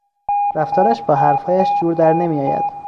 رفتارش با حرفهایش جور در نمیآید.